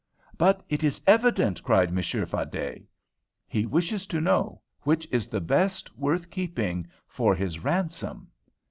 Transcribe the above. "But it is evident," cried Monsieur Fardet. "He wishes to know which is the best worth keeping for his ransom."